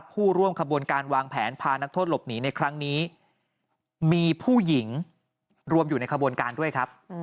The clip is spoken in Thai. ผู้ร่วมขบวนการวางแผนพานักโทษหลบหนีในครั้งนี้มีผู้หญิงรวมอยู่ในขบวนการด้วยครับ